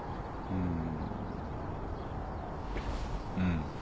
うん。